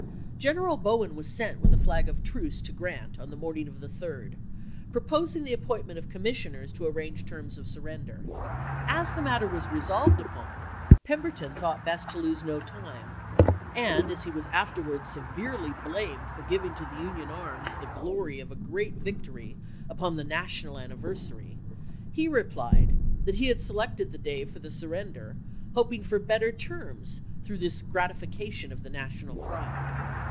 General Bowen was juiy3,ai863. sen^ w^n a f^g °f truce to Grant, on the morning p.b283.' of the 3d, proposing the appointment of com missioners to arrange terms of surrender. As the matter was resolved upon, Pemberton thought best to lose no time, and as he was afterwards severely blamed for giving to the Union arms the glory of a great victory upon the national anniversary, he replied that he had selected that day for the sur render, hoping for better terms through this grati fication of the national pride.